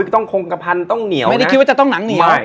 ต้องคงกระพันต้องเหนียวนะ